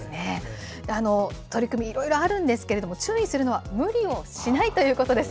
取り組み、いろいろあるんですけれども、注意するのは無理をしないということです。